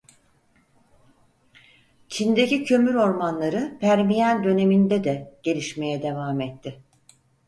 Çin'deki kömür ormanları Permiyen döneminde de gelişmeye devam etti.